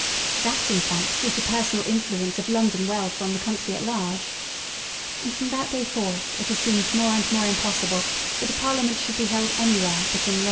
That in fact was the personal influence of London wealth on the country at large. And from that day forth it has seemed more and more impossible that a parliament should be held anywhere but In London.